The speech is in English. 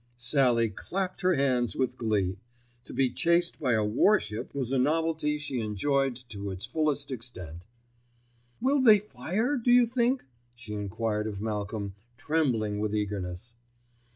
Sallie clapped her hands with glee. To be chased by a warship was a novelty she enjoyed to its fullest extent. "Will they fire, do you think?" she enquired of Malcolm, trembling with eagerness.